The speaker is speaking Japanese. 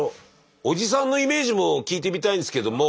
おじさんのイメージも聞いてみたいんですけども。